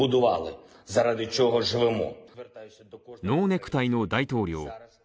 ノーネクタイの大統領。